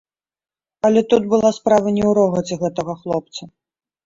Але тут была справа не ў рогаце гэтага хлопца.